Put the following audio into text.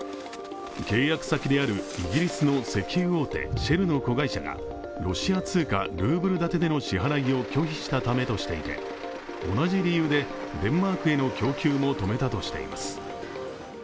契約先であるイギリスの製油大手シェルの子会社がロシア通貨ルーブル建てでの支払いを拒否したためとしていて同じ理由でデンマークへの供給も止めたとしています。